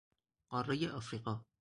قارهی افریقا